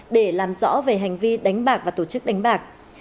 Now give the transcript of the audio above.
để làm rõ về hành vi đánh bạc và tổ chức đánh bạc